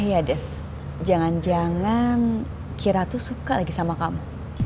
iya des jangan jangan kira tuh suka lagi sama kamu